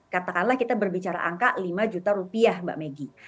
katakanlah kita berbicara angka lima juta rupiah mbak megi